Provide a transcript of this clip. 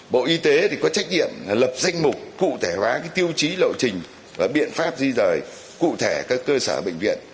bộ y tế có trách nhiệm lập danh mục cụ thể hóa tiêu chí lộ trình và biện pháp di rời cụ thể các cơ sở bệnh viện